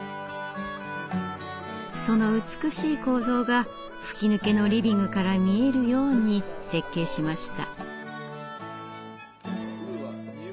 その美しい構造が吹き抜けのリビングから見えるように設計しました。